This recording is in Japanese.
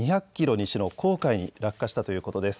西の黄海に落下したということです。